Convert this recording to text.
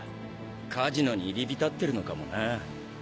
カジノに入り浸ってるのかもな。